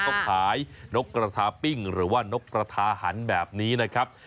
เขาขายนกกระทาปิ้งหรือว่านกกระทาหันแบบนี้นะครับ